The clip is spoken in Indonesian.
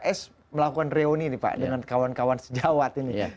pks melakukan reuni nih pak dengan kawan kawan sejawat ini